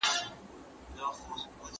د وخت ضايع کول ښه کار نه دی.